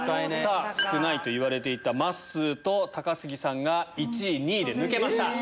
少ないと言われていたまっすーと高杉さんが１位２位で抜けました。